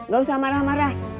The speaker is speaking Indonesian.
gak usah marah marah